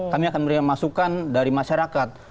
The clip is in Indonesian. kami akan berikan masukan dari masyarakat